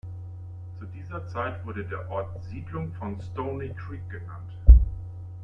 Zu dieser Zeit wurde der Ort "Siedlung von Stoney Creek" genannt.